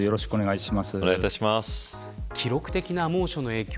記録的な猛暑の影響